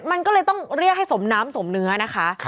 มันก็เลยต้องเรียกให้สมน้ำสมเนื้อนะคะ